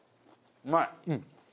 うまい！